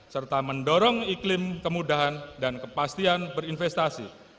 serta mendorong iklim kemudahan dan kepastian berinvestasi